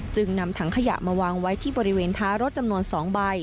จึงนำถังขยะมาวางไว้ที่บริเวณท้ายรถจำนวน๒ใบ